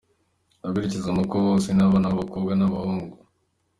Abaherekeza Markle bose, ni abana b'abakobwa n'abahungu.